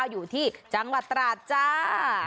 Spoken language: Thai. ๐๙๕๒๔๙๓๐๕๙อยู่ที่จังหวัดตราดจ้า